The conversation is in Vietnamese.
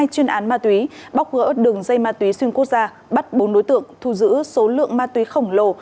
hai chuyên án ma túy bóc gỡ đường dây ma túy xuyên quốc gia bắt bốn đối tượng thu giữ số lượng ma túy khổng lồ